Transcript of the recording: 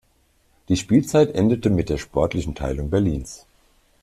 Die Spielzeit endete mit der sportlichen Teilung Berlins.